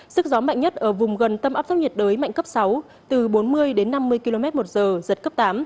sức gió mạnh nhất ở vùng gần tâm áp thấp nhiệt đới mạnh cấp sáu từ bốn mươi đến năm mươi km một giờ giật cấp tám